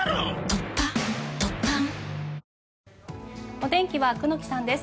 お天気は久能木さんです。